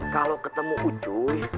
kalau ketemu ucuy